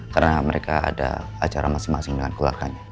karena mereka ada acara masing masing dengan keluarganya